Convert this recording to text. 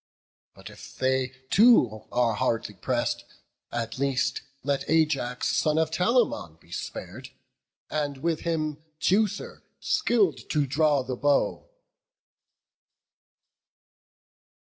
But if they too are hardly press'd, at least Let Ajax, son of Telamon, be spar'd, And with him Teucer, skilled to draw the bow."